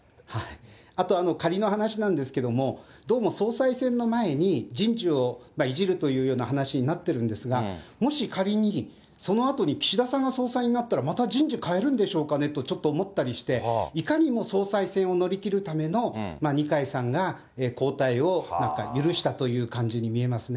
あと、仮の話なんですけれども、どうも総裁選の前に人事をいじるというような話になってるんですが、もし仮にそのあとに岸田さんが総裁になったらまた人事かえるんでしょうかねと、ちょっと思ったりして、いかにも総裁選を乗り切るための二階さんが交代を許したという感じに見えますね。